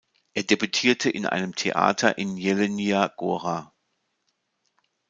Er debütierte in einem Theater in Jelenia Góra.